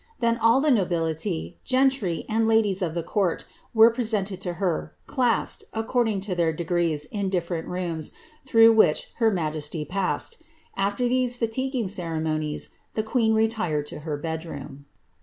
Then all the nobility, gentry, and ladies of the court were pre sented to her, classed, according to their degrees, in diflerent rooms, tlirougli which her majesty passed. After these fatiguing ceremonies^ ttie queen retired to her bedroom.